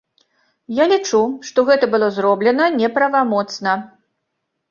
Я лічу, што гэта было зроблена неправамоцна.